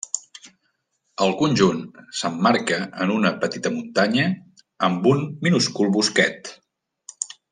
El conjunt s'emmarca en una petita muntanya amb un minúscul bosquet.